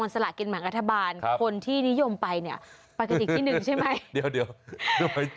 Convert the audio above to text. ปากฏิกษ์ที่นึงใช่ไหม